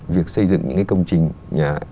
việc xây dựng những cái công trình